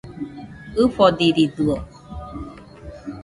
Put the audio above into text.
ɨfodiridɨo